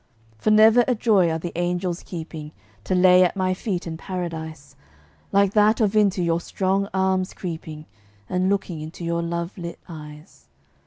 For never a joy are the angels keeping, To lay at my feet in Paradise, Like that of into your strong arms creeping, And looking into your love lit eyes.